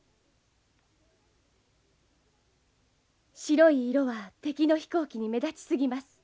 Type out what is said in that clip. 白い色は敵の飛行機に目立ちすぎます。